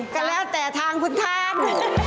ก็แล้วแต่ทางคุณทำ